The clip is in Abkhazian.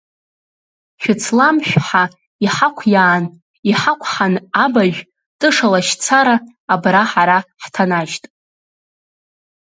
Шыцламшә ҳа иҳақәиаан, иҳақәҳан абажә, тыша лашьцара абра ҳара ҳҭанажьт…